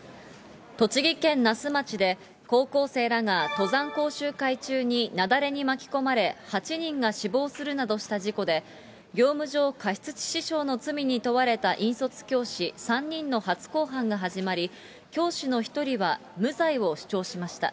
栃木県那須町で、高校生らが登山講習会中に雪崩に巻き込まれ、８人が死亡するなどした事故で、業務上過失致死傷の罪に問われた引率教師３人の初公判が始まり、教師の１人は無罪を主張しました。